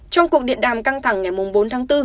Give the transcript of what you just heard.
trong cuộc điện đàm căng thẳng ngày bốn tháng bốn